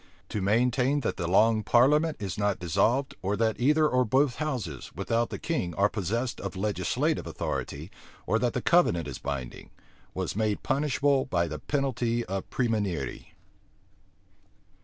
To maintain that the long parliament is not dissolved, or that either or both houses, without the king, are possessed of legislative authority, or that the covenant is binding, was made punishable by the penalty of premunire.